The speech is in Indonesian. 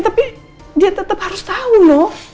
tapi dia tetep harus tau noah